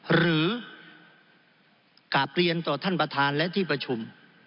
หรือกราบเรียนต่อท่านประธานและที่ประชุม